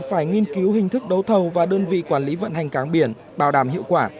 phải nghiên cứu hình thức đấu thầu và đơn vị quản lý vận hành cáng biển bảo đảm hiệu quả